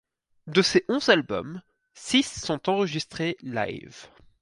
De ses onze albums, six sont enregistrés live.